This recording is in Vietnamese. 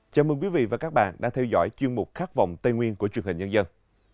chào mừng quý vị và các bạn đang theo dõi chương mục khát vọng tây nguyên của truyền hình nhân dân